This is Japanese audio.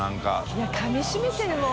いやかみしめてるもん。